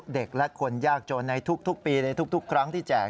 เด็กและคนยากจนในทุกปีในทุกครั้งที่แจก